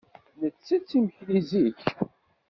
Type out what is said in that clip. Nettett imekli zik.